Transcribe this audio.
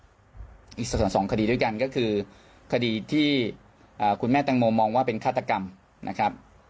อีกส่วนสองคดีด้วยกันก็คือคดีที่คุณแม่แตงโมมองว่าเป็นฆาตกรรมนะครับ